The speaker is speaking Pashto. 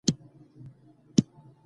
اولادونه بايد د مور او پلار خدمت وکړي.